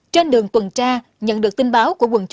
trên đường tuần tra nhận được tin báo của quần chủ